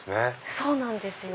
そうなんですよ。